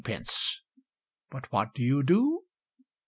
But what do you do?